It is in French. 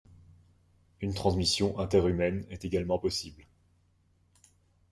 Une transmission interhumaine est également possible.